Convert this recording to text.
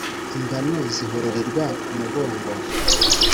Ingano zihururirwa ku murongo